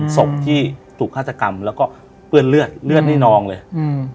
ศพที่ถูกฆาตกรรมแล้วก็เปื้อนเลือดเลือดนี่นองเลยอืม